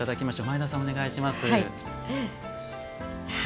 前田さん、お願いします。